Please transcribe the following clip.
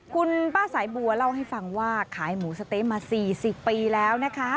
คุณป้าสายบัวเล่าให้ฟังว่าขายหมูสะเต๊ะมา๔๐ปีแล้วนะคะ